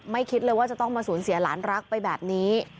คิดเลยว่าจะต้องมาสูญเสียหลานรักไปแบบนี้